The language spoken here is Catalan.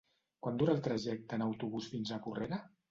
Quant dura el trajecte en autobús fins a Porrera?